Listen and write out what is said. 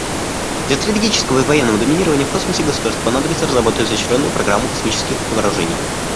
Для стратегического и военного доминирования в космосе государству понадобится разработать изощренную программу космических вооружений.